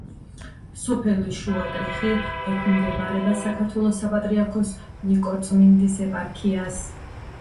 სოფელი შუა კრიხი ექვემდებარება საქართველოს საპატრიარქოს ნიკორწმინდის ეპარქიას.